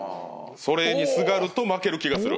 それにすがると負ける気がする